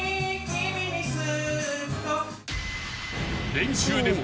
［練習でも］